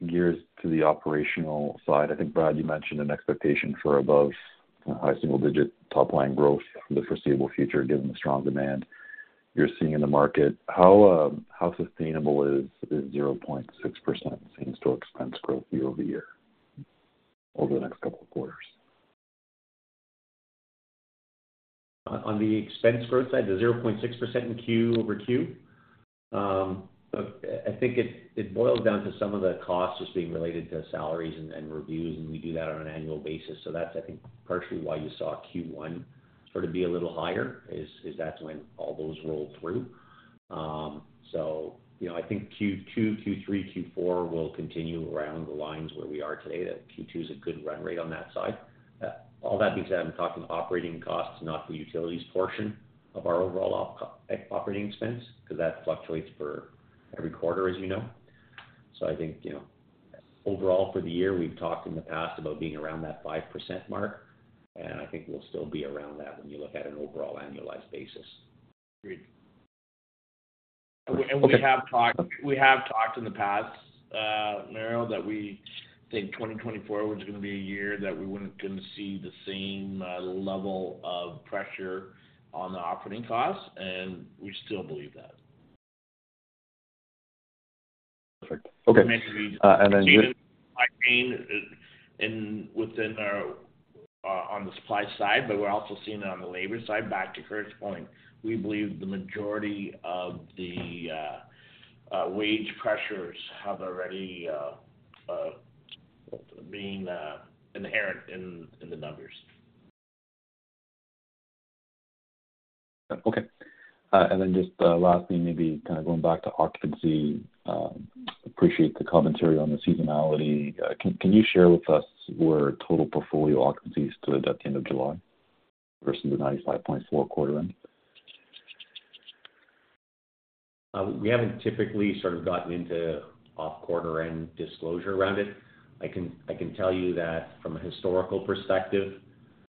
gears to the operational side, I think, Brad, you mentioned an expectation for above high single-digit top-line growth for the foreseeable future, given the strong demand you're seeing in the market. How sustainable is the 0.6% same-store expense growth year-over-year, over the next couple of quarters? On the expense growth side, the 0.6% in Q-over-Q. I think it boils down to some of the costs just being related to salaries and reviews, and we do that on an annual basis. That's, I think, partially why you saw Q1 sort of be a little higher, that's when all those roll through. You know, I think Q2, Q3, Q4 will continue around the lines where we are today, that Q2 is a good run rate on that side. All that being said, I'm talking operating costs, not the utilities portion of our overall operating expense, because that fluctuates for every quarter, as you know. I think, you know, overall for the year, we've talked in the past about being around that 5% mark, and I think we'll still be around that when you look at an overall annualized basis. Agreed. we, and we have talked- Okay. We have talked in the past, Mario, that we think 2024 was going to be a year that we wouldn't going to see the same, level of pressure on the operating costs, and we still believe that. Perfect. Okay. And then- Uh, and then- I mean, in, within our, on the supply side, but we're also seeing it on the labor side, back to Curt's point. We believe the majority of the, wage pressures have already, been, inherent in, in the numbers. Okay. Then just last thing, maybe kind of going back to occupancy. Appreciate the commentary on the seasonality. Can, can you share with us where total portfolio occupancy stood at the end of July versus the 95.4% quarter-end? We haven't typically sort of gotten into off quarter end disclosure around it. I can tell you that from a historical perspective,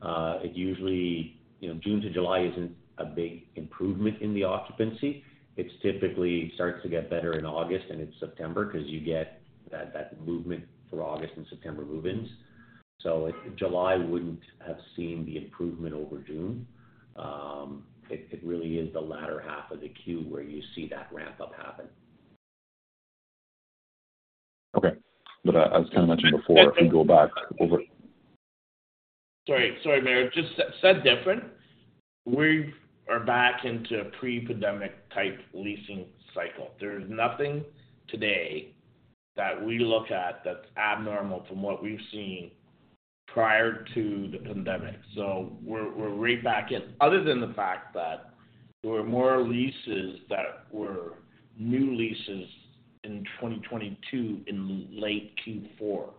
it usually, you know, June to July isn't a big improvement in the occupancy. It's typically starts to get better in August, and it's September because you get that, that movement for August and September move-ins. July wouldn't have seen the improvement over June. It really is the latter half of the Q where you see that ramp up happen. Okay. As I mentioned before, if we go back over- Sorry, sorry, Mario, just said, said different. We are back into a pre-pandemic type leasing cycle. There's nothing today that we look at that's abnormal from what we've seen prior to the pandemic, so we're, we're right back in. Other than the fact that there were more leases that were new leases in 2022 in late Q4.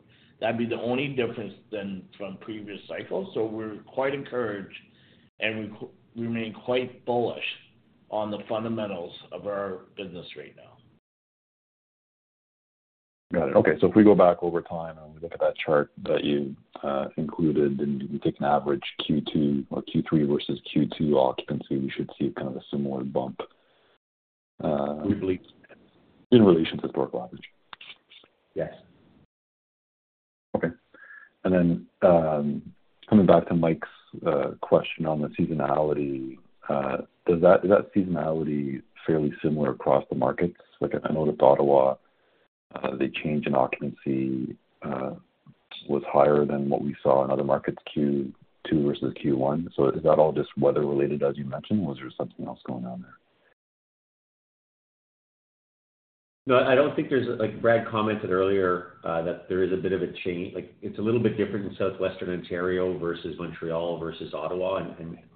That'd be the only difference than from previous cycles. We're quite encouraged, and we, we remain quite bullish on the fundamentals of our business right now. Got it. Okay. If we go back over time and we look at that chart that you included, and you take an average Q2 or Q3 versus Q2 occupancy, we should see kind of a similar bump. We believe. In relation to historic average. Yes. Okay. Coming back to Mike's question on the seasonality, does that, is that seasonality fairly similar across the markets? Like, I know that Ottawa, the change in occupancy, was higher than what we saw in other markets, Q2 versus Q1. Is that all just weather related, as you mentioned, or was there something else going on there? No, I don't think there's. Like Brad Cutsey commented earlier, that there is a bit of a change. Like, it's a little bit different in southwestern Ontario versus Montreal versus Ottawa.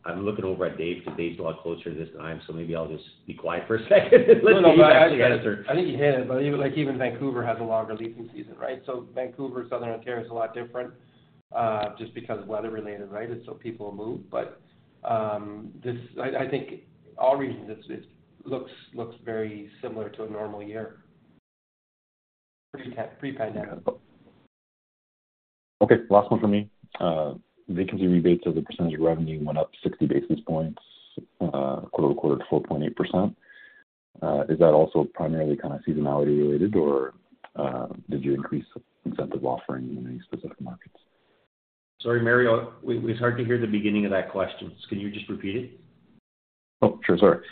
I'm looking over at Dave Nevins, because Dave's a lot closer to this than I am, so maybe I'll just be quiet for a second and let Dave answer. I think you hit it, but even, like, even Vancouver has a longer leasing season, right? Vancouver, southern Ontario is a lot different, just because of weather-related, right? People move. I think all regions, it looks very similar to a normal year, pre-pandemic. Okay, last one for me. Vacancy rebates as a percentage of revenue went up 60 basis points quarter-over-quarter to 4.8%. Is that also primarily kind of seasonality related, or did you increase the incentive offering in any specific markets? Sorry, Mario, it's hard to hear the beginning of that question. Can you just repeat it? Oh, sure. Sorry.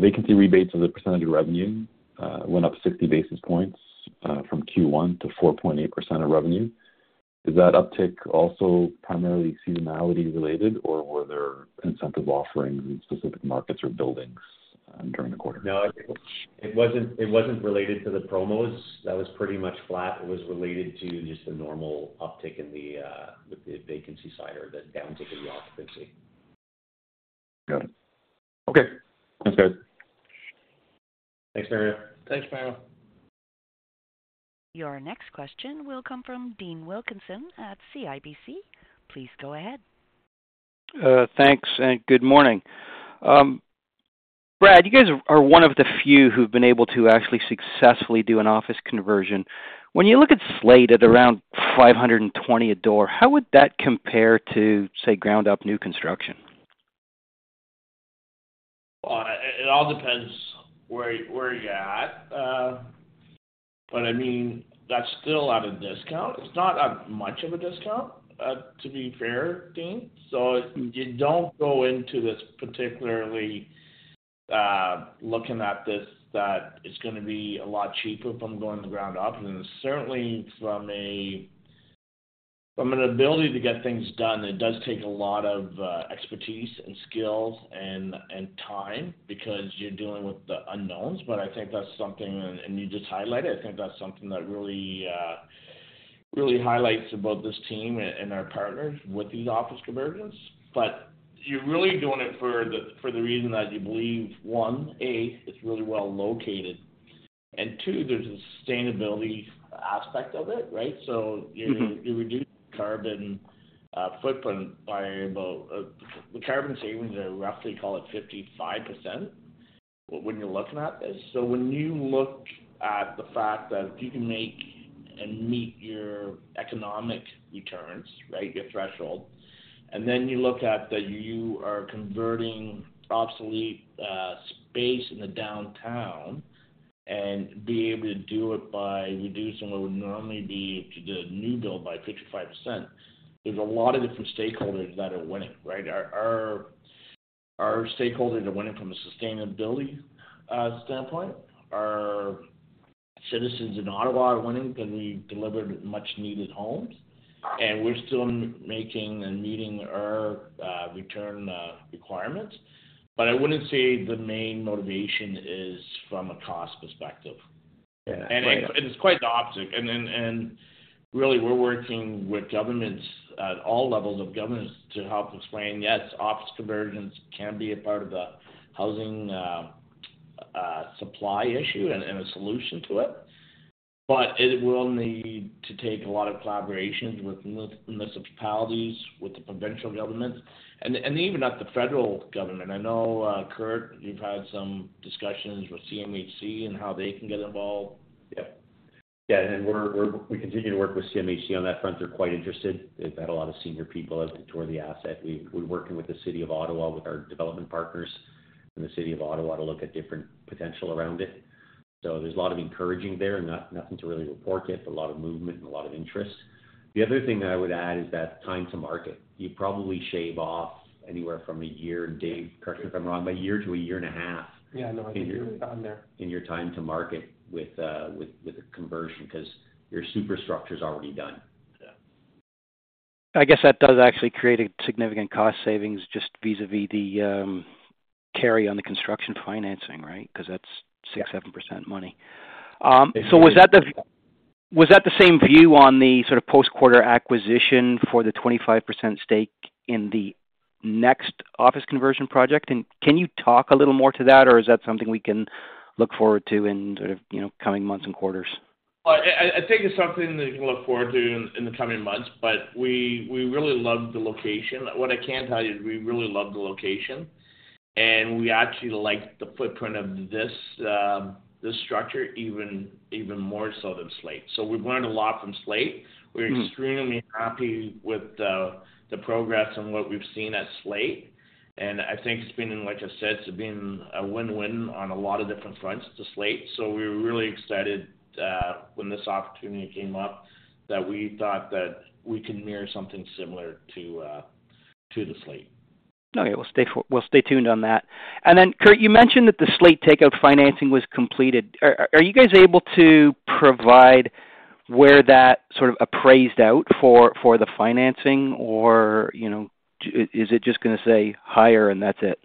Vacancy rebates as a percentage of revenue, went up 60 basis points, from Q1 to 4.8% of revenue. Is that uptick also primarily seasonality related, or were there incentive offerings in specific markets or buildings, during the quarter? No, it wasn't, it wasn't related to the promos. That was pretty much flat. It was related to just the normal uptick in the vacancy side or the downtick in the occupancy. Got it. Okay. Thanks, guys. Thanks, Mario. Thanks, Mario. Your next question will come from Dean Wilkinson at CIBC. Please go ahead. Thanks, good morning. Brad, you guys are, are one of the few who've been able to actually successfully do an office conversion. When you look at The Slate at around 520 a door, how would that compare to, say, ground up new construction? It, it all depends where, where you're at. I mean, that's still at a discount. It's not at much of a discount, to be fair, Dean. You don't go into this particularly, looking at this, that it's going to be a lot cheaper from going to ground up. Certainly from a, from an ability to get things done, it does take a lot of expertise and skills and time because you're dealing with the unknowns. I think that's something, and you just highlight it. I think that's something that really highlights about this team and our partners with these office conversions. You're really doing it for the, for the reason that you believe, one, A, it's really well located, and two, there's a sustainability aspect of it, right? Mm-hmm. You, you reduce carbon footprint by about, the carbon savings are roughly, call it 55% when you're looking at this. When you look at the fact that if you can make and meet your economic returns, right, your threshold, and then you look at that you are converting obsolete space in the downtown and being able to do it by reducing what would normally be the new build by 55%, there's a lot of different stakeholders that are winning, right? Our, our, our stakeholders are winning from a sustainability standpoint. Our citizens in Ottawa are winning because we delivered much needed homes, and we're still making and meeting our return requirements. I wouldn't say the main motivation is from a cost perspective. Yeah. It, it's quite the opposite. Then, and really we're working with governments at all levels of governments to help explain, yes, office conversions can be a part of the housing supply issue and, and a solution to it. It will need to take a lot of collaborations with municipalities, with the provincial government, and, and even at the federal government. I know, Curt, you've had some discussions with CMHC and how they can get involved. Yeah. Yeah, we're we continue to work with CMHC on that front. They're quite interested. They've had a lot of senior people out to tour the asset. We're working with the City of Ottawa, with our development partners in the City of Ottawa, to look at different potential around it. There's a lot of encouraging there, nothing to really report yet, but a lot of movement and a lot of interest. The other thing that I would add is that time to market. You probably shave off anywhere from a year, and Dave, correct me if I'm wrong, but a year to a year and a half... Yeah, no, I think you're on there. In your time to market with, with, with a conversion, 'cause your superstructure's already done. Yeah. I guess that does actually create a significant cost savings, just vis-à-vis the carry on the construction financing, right? Because that's 6%, 7% money. So was that the same view on the sort of post-quarter acquisition for the 25% stake in the next office conversion project? Can you talk a little more to that, or is that something we can look forward to in sort of, you know, coming months and quarters? I think it's something that you can look forward to in the coming months. We really love the location. What I can tell you is we really love the location. We actually like the footprint of this structure even more so than Slate. We've learned a lot from Slate. Mm. We're extremely happy with the progress and what we've seen at Slate. I think it's been, like I said, it's been a win-win on a lot of different fronts to Slate. We were really excited when this opportunity came up, that we thought that we could mirror something similar to the Slate. Okay. We'll stay tuned on that. Then, Curt, you mentioned that The Slate takeout financing was completed. Are you guys able to provide where that sort of appraised out for, for the financing? You know, is it just going to say higher, and that's it?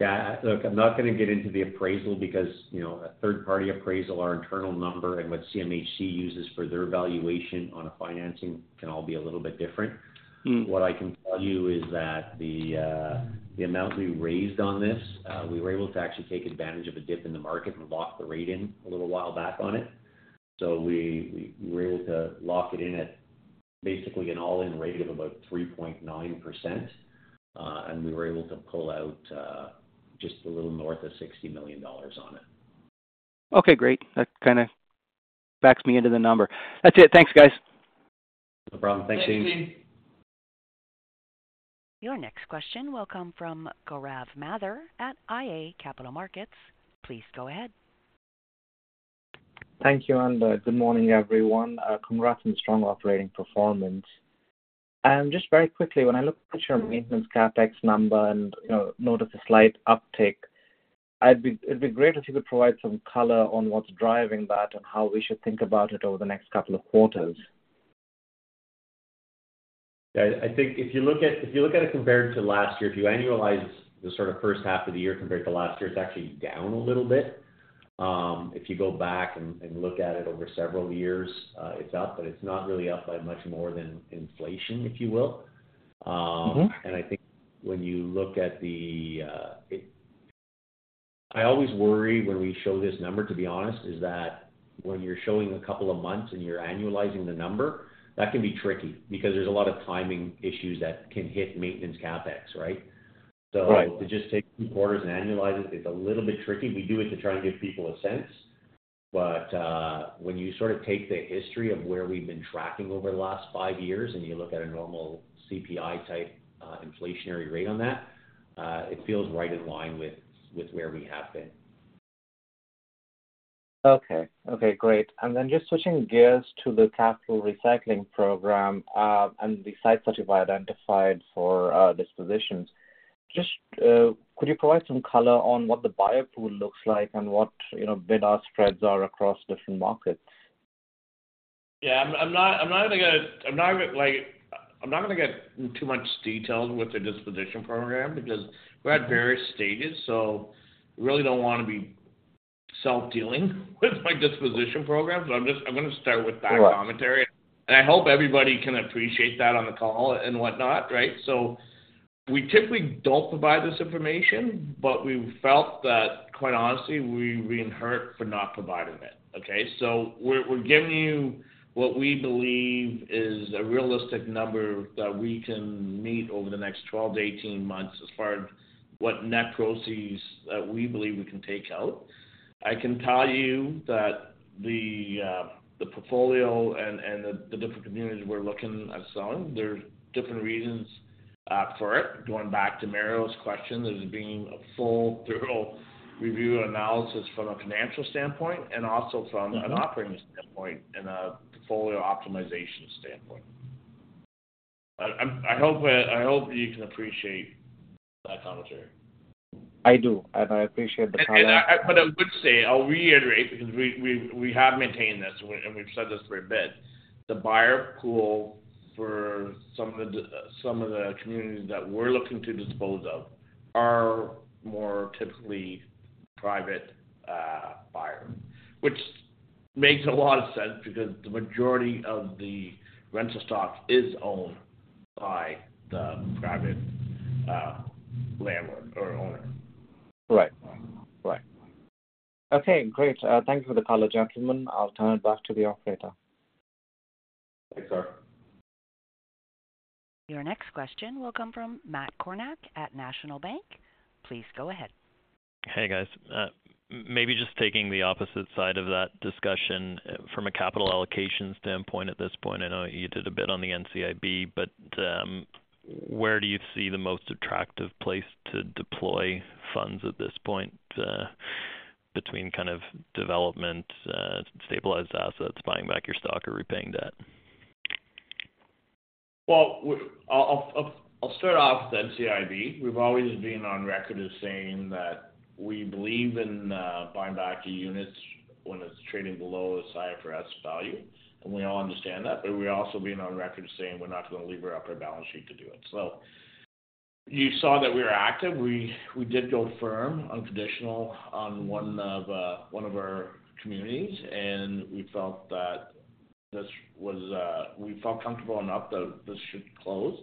Yeah, look, I'm not going to get into the appraisal because, you know, a third-party appraisal, our internal number, and what CMHC uses for their valuation on a financing can all be a little bit different. Mm. What I can tell you is that the, the amount we raised on this, we were able to actually take advantage of a dip in the market and lock the rate in a little while back on it. We, we were able to lock it in at basically an all-in rate of about 3.9%, and we were able to pull out, just a little north of $60 million on it. Okay, great. That kind of backs me into the number. That's it. Thanks, guys. No problem. Thanks, Dean. Thanks, James. Your next question will come from Gaurav Mathur at IA Capital Markets. Please go ahead. Thank you, and, good morning, everyone. Congrats on the strong operating performance. Just very quickly, when I looked at your maintenance CapEx number and, you know, noticed a slight uptick, it'd be great if you could provide some color on what's driving that and how we should think about it over the next couple of quarters. Yeah, I, I think if you look at, if you look at it compared to last year, if you annualize the sort of first half of the year compared to last year, it's actually down a little bit. If you go back and, and look at it over several years, it's up, but it's not really up by much more than inflation, if you will. Mm-hmm. I think when you look at the... I always worry when we show this number, to be honest, is that when you're showing a couple of months and you're annualizing the number, that can be tricky because there's a lot of timing issues that can hit maintenance CapEx, right? Right. To just take two quarters and annualize it is a little bit tricky. We do it to try to give people a sense, but, when you sort of take the history of where we've been tracking over the last 5 years, and you look at a normal CPI-type, inflationary rate on that, it feels right in line with, with where we have been. Okay. Okay, great. Then just switching gears to the capital recycling program, and the sites that you've identified for dispositions. Just, could you provide some color on what the buyer pool looks like and what, you know, bid-ask spreads are across different markets? Yeah. I'm not gonna, like, I'm not gonna get in too much details with the disposition program because we're at various stages, so I really don't want to be self-dealing with my disposition program. I'm just gonna start with that. Right... commentary, and I hope everybody can appreciate that on the call and whatnot, right? We typically don't provide this information, but we felt that, quite honestly, we're being hurt for not providing it, okay? We're, we're giving you what we believe is a realistic number that we can meet over the next 12-18 months, as far as what net proceeds that we believe we can take out. I can tell you that the, the portfolio and, and the, the different communities we're looking at selling, there's different reasons for it. Going back to Mario's question, there's been a full thorough review analysis from a financial standpoint and also from- Mm-hmm... an operating standpoint and a portfolio optimization standpoint. I, I'm, I hope, I hope you can appreciate that commentary. I do, and I appreciate the commentary. I would say, I'll reiterate, because we, we, we have maintained this and we, we've said this for a bit: The buyer pool for some of the, some of the communities that we're looking to dispose of are more typically private. Which makes a lot of sense because the majority of the rental stock is owned by the private landlord or owner. Right. Right. Okay, great. Thank you for the call, gentlemen. I'll turn it back to the operator. Thanks, sir. Your next question will come from Matt Kornack at National Bank. Please go ahead. Hey, guys. Maybe just taking the opposite side of that discussion, from a capital allocation standpoint, at this point, I know you did a bit on the NCIB, but where do you see the most attractive place to deploy funds at this point, between kind of development, stabilized assets, buying back your stock, or repaying debt? Well, I'll start off with NCIB. We've always been on record as saying that we believe in buying back the units when it's trading below the FFO value, and we all understand that. We've also been on record as saying we're not going to lever up our balance sheet to do it. You saw that we were active. We, we did go firm on traditional, on one of, one of our communities, and we felt that this was. We felt comfortable enough that this should close,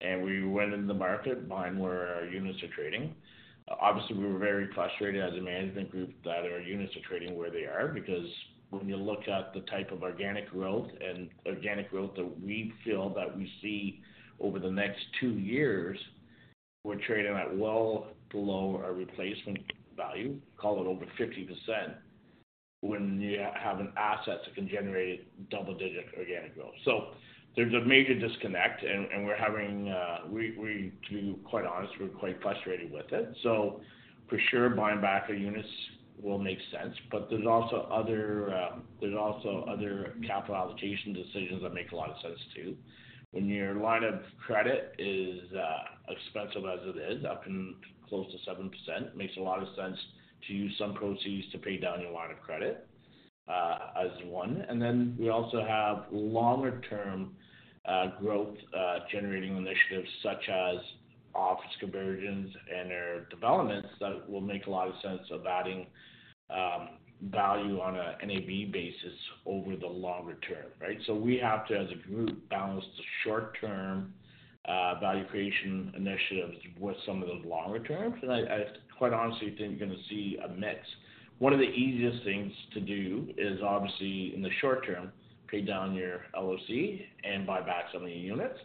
and we went in the market buying where our units are trading. Obviously, we were very frustrated as a management group that our units are trading where they are, because when you look at the type of organic growth and organic growth that we feel that we see over the next 2 years, we're trading at well below our replacement value, call it over 50%, when you have an asset that can generate double-digit organic growth. There's a major disconnect, and we're having, we to be quite honest, we're quite frustrated with it. For sure, buying back our units will make sense. There's also other, there's also other capital allocation decisions that make a lot of sense, too. When your line of credit is expensive as it is, up in close to 7%, makes a lot of sense to use some proceeds to pay down your line of credit, as one. We also have longer-term growth generating initiatives such as office conversions and/or developments that will make a lot of sense of adding value on a NAV basis over the longer term, right? We have to, as a group, balance the short-term value creation initiatives with some of those longer term. I, I quite honestly think you're going to see a mix. One of the easiest things to do is obviously, in the short term, pay down your LOC and buy back some of your units,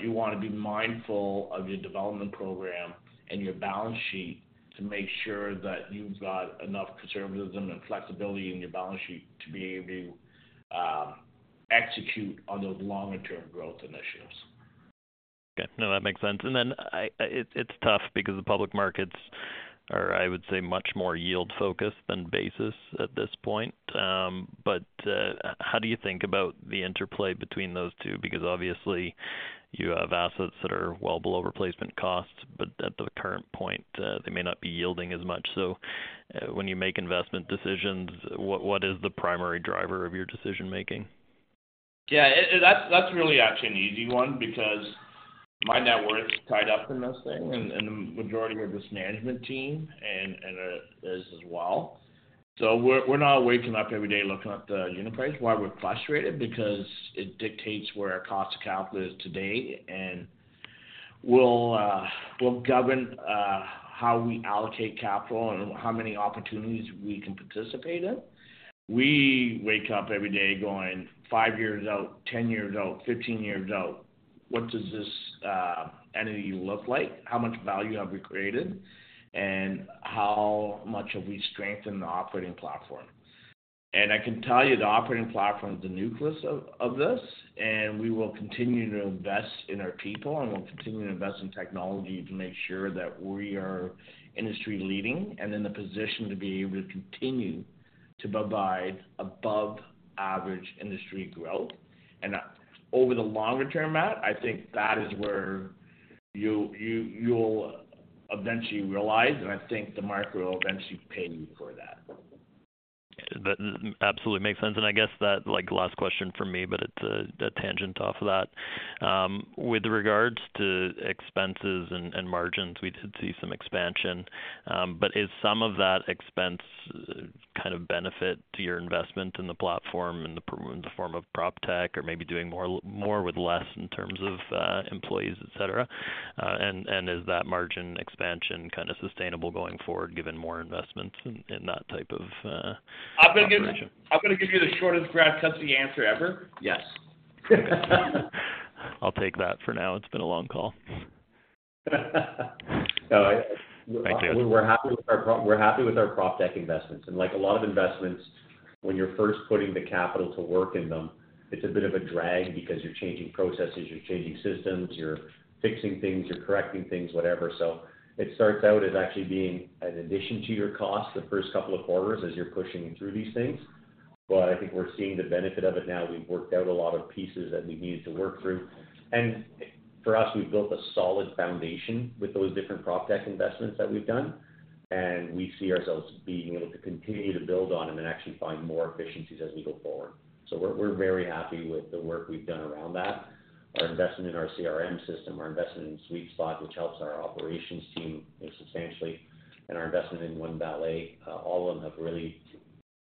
you want to be mindful of your development program and your balance sheet to make sure that you've got enough conservatism and flexibility in your balance sheet to be able to execute on those longer-term growth initiatives. Okay. No, that makes sense. Then I, it's, it's tough because the public markets are, I would say, much more yield focused than basis at this point. How do you think about the interplay between those two? Because obviously, you have assets that are well below replacement costs, but at the current point, they may not be yielding as much. When you make investment decisions, what, what is the primary driver of your decision making? Yeah, that's, that's really actually an easy one, because my net worth is tied up in this thing and, and the majority of this management team and, and is as well. We're, we're not waking up every day looking at the unit price. Why we're frustrated? Because it dictates where our cost of capital is today, and will govern how we allocate capital and how many opportunities we can participate in. We wake up every day going, 5 years out, 10 years out, 15 years out, what does this entity look like? How much value have we created? How much have we strengthened the operating platform? I can tell you, the operating platform is the nucleus of this, and we will continue to invest in our people, and we'll continue to invest in technology to make sure that we are industry-leading and in the position to be able to continue to provide above average industry growth. Over the longer term, Matt, I think that is where you'll eventually realize, and I think the market will eventually pay you for that. That absolutely makes sense. I guess that like, last question from me, but it's a, a tangent off of that. With regards to expenses and, and margins, we did see some expansion, but is some of that expense kind of benefit to your investment in the platform, in the form of proptech or maybe doing more, more with less in terms of, employees, et cetera? Is that margin expansion kind of sustainable going forward, given more investments in, in that type of, operation? I'm going to give you the shortest Brad Cutsey answer ever. Yes. I'll take that for now. It's been a long call. No. Thank you. We're happy with our prop tech investments. Like a lot of investments, when you're first putting the capital to work in them, it's a bit of a drag because you're changing processes, you're changing systems, you're fixing things, you're correcting things, whatever. It starts out as actually being an addition to your costs the first couple of quarters as you're pushing through these things. I think we're seeing the benefit of it now. We've worked out a lot of pieces that we needed to work through. For us, we've built a solid foundation with those different prop tech investments that we've done, and we see ourselves being able to continue to build on them and actually find more efficiencies as we go forward. We're, we're very happy with the work we've done around that. Our investment in our CRM system, our investment in Sweet Spot, which helps our operations team substantially, and our investment in OneValet, all of them have really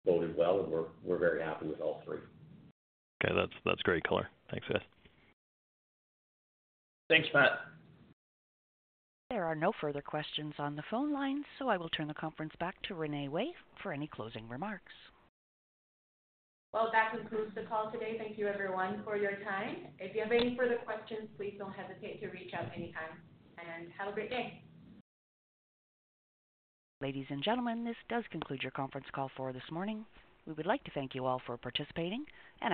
boded well, and we're, we're very happy with all three. Okay. That's, that's great color. Thanks, guys. Thanks, Matt. There are no further questions on the phone line, so I will turn the conference back to Renee Wei for any closing remarks. Well, that concludes the call today. Thank you everyone for your time. If you have any further questions, please don't hesitate to reach out anytime, have a great day. Ladies and gentlemen, this does conclude your conference call for this morning. We would like to thank you all for participating.